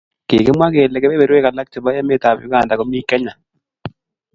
kikimwa kele keberberwek alak chebo emet ab Uganda komii Kenya